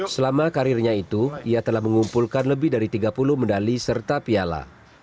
selama karirnya itu ia telah mengumpulkan lebih dari tiga puluh medali serta piala